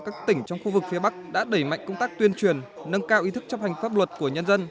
các tỉnh trong khu vực phía bắc đã đẩy mạnh công tác tuyên truyền nâng cao ý thức chấp hành pháp luật của nhân dân